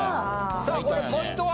さあこれポイントは？